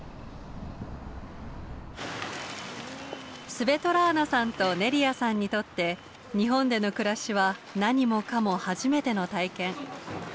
スヴェトラーナさんとネリアさんにとって日本での暮らしは何もかも初めての体験。